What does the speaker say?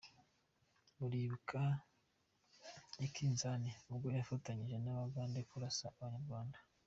Muribuka i Kisangani ubwo yafatanyije n’abaganda kurasa abanyarwanda.